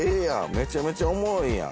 めちゃめちゃおもろいやん。